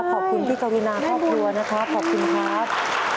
ขอบคุณพี่กวินาครอบครัวนะครับขอบคุณครับ